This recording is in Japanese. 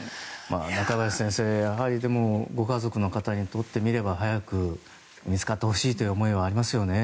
中林先生でも、ご家族の方にとってみれば早く見つかってほしいという思いはありますよね。